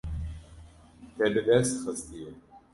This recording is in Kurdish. Te bi dest xistiye.